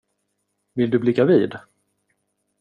Vill du bli gravid?